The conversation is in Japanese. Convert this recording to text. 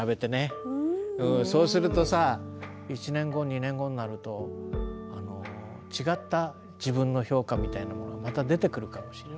そうするとさ１年後２年後になると違った自分の評価みたいなものがまた出てくるかもしれない。